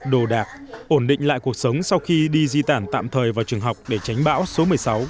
bà cử đã dọn dẹp đồ đạc ổn định lại cuộc sống sau khi đi di tản tạm thời vào trường học để tránh bão số một mươi sáu